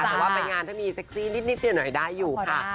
แต่ว่าไปงานถ้ามีเซ็กซี่นิดเดียวหน่อยได้อยู่ค่ะ